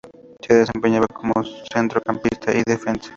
Se desempeñaba como centrocampista y defensa.